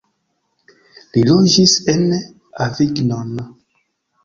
Li loĝis en Avignon.